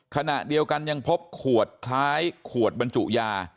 ขณะเดียวกันยังพบขวดคล้ายขวดบรรจุยา